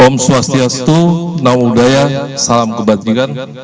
om swastiastu namo buddhaya salam kebatikan